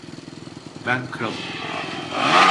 Ben kralım.